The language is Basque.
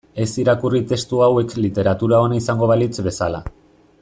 Ez irakurri testu hauek literatura ona izango balitz bezala.